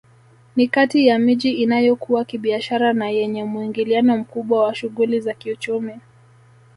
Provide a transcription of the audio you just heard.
Ni kati ya miji inayokua kibiashara na yenye muingiliano mkubwa wa shughuli za kiuchumi